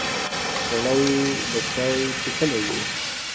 سړی به چای څښلی وي.